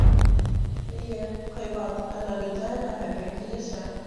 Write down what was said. Эйе, ҡыйбат, әммә бөтәһе лә һеҙгә килешә